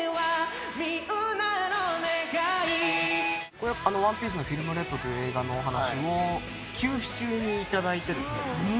これ『ＯＮＥＰＩＥＣＥ』の『ＦＩＬＭＲＥＤ』という映画のお話を休止中に頂いてですね。